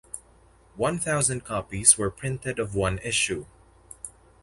One thousand copies were printed of one issue.